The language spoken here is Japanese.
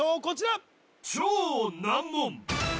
こちら